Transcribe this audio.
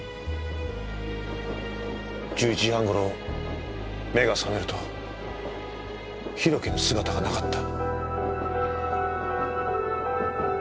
１１時半頃目が覚めると博貴の姿がなかった。